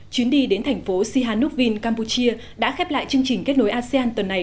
chuyến đi đến thành phố sihanoukville campuchia đã khép lại chương trình kết nối asean tuần này